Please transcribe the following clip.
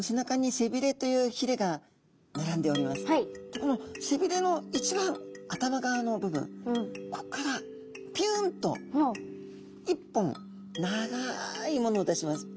でこの背びれの一番頭側の部分こっからピュンと１本長いものを出します。